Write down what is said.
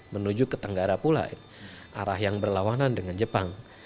menuju ke tenggara pula arah yang berlawanan dengan jepang